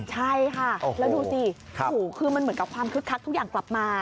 ใช่ค่ะแล้วดูสิคือมันเหมือนกับความคึกคักทุกอย่างกลับมา